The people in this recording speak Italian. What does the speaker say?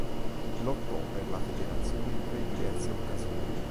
Lottò per la federazione in tre diverse occasioni.